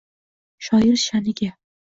shoir sha’niga